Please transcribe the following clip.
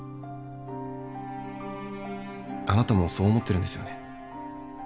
あなたもそう思ってるんですよね？